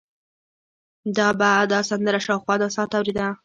هغه به دا سندره شاوخوا دوه ساعته اورېده